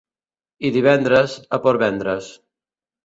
I divendres, a Portvendres.